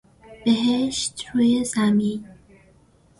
بهشت روی زمین